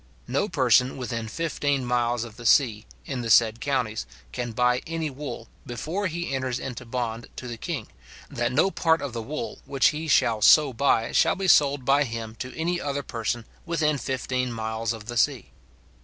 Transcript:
No person within fifteen miles of the sea, in the said counties, can buy any wool, before he enters into bond to the king, that no part of the wool which he shall so buy shall be sold by him to any other person within fifteen miles of the sea.